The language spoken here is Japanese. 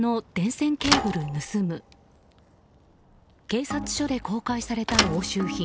警察署で公開された押収品。